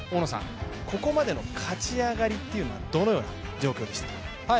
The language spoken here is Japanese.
ここまでの勝ち上がりというはどのような状況でしたか？